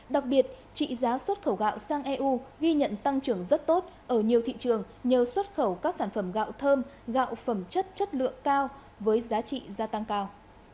đặc biệt trị giá xuất khẩu gạo sang eu ghi nhận tăng trưởng rất tốt ở nhiều thị trường nhờ xuất khẩu các sản phẩm gạo thơm gạo phẩm chất chất lượng cao với giá trị gia tăng cao